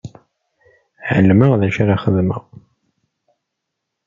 Ɛelmeɣ d acu ara xedmeɣ.